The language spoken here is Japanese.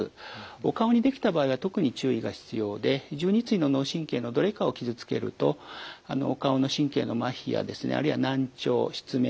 お顔にできた場合は特に注意が必要で１２対の脳神経のどれかを傷つけるとお顔の神経のまひやですねあるいは難聴失明